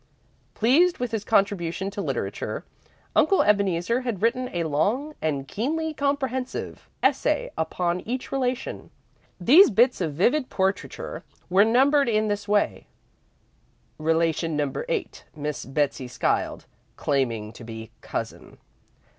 Pleased with his contribution to literature, Uncle Ebeneezer had written a long and keenly comprehensive essay upon each relation. These bits of vivid portraiture were numbered in this way: "Relation Number 8, Miss Betsey Skiles, Claiming to be Cousin."